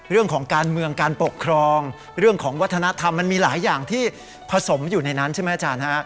เรื่องของการเมืองการปกครองเรื่องของวัฒนธรรมมันมีหลายอย่างที่ผสมอยู่ในนั้นใช่ไหมอาจารย์ฮะ